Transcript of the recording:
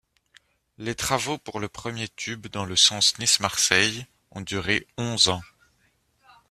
Les travaux pour le premier tube dans le sens Nice-Marseille ont duré onze ans.